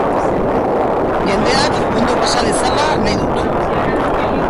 Jendeak ondo pasa dezala nahi dut.